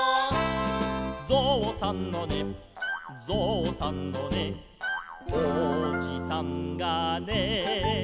「ぞうさんのねぞうさんのねおじさんがね」